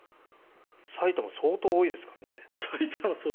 埼玉、相当多いですからね。